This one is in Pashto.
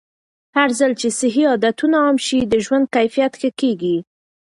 هرځل چې صحي عادتونه عام شي، د ژوند کیفیت ښه کېږي.